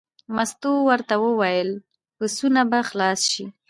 مستو ورته وویل: پسونه به خلاص شي.